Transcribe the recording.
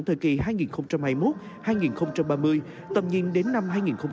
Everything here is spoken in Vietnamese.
thời kỳ hai nghìn hai mươi một hai nghìn ba mươi tầm nhìn đến năm hai nghìn năm mươi